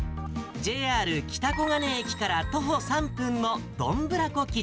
ＪＲ北小金駅から徒歩３分のどんぶら来